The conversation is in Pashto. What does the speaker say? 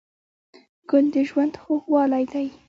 ګل د ژوند خوږوالی دی.